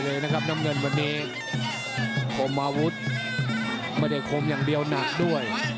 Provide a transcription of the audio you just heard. เลยนะครับน้ำเงินวันนี้คมอาวุธไม่ได้คมอย่างเดียวหนักด้วย